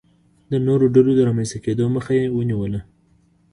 د نورو ډلو د رامنځته کېدو مخه یې ونیوله.